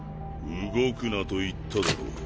動くなと言っただろう。